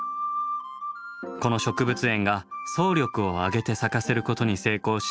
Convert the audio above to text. この植物園が総力を挙げて咲かせることに成功した花なんです。